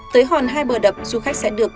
tới hòn hai bờ đập du khách sẽ được